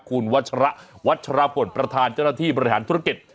คุณวัชระวัชรพลประธานเจ้าหน้าที่บริหารธุรกิจ